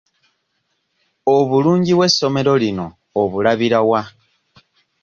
Obulungi bw'essomero lino obulabira wa?